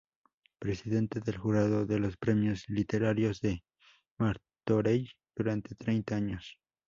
Presidente del jurado de los Premios Literarios de Martorell durante treinta años.